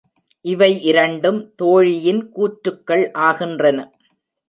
இவை இரண்டும் தோழியின் கூற்றுகள் ஆகின்றன.